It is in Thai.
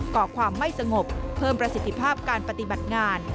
ก่อความไม่สงบเพิ่มประสิทธิภาพการปฏิบัติงาน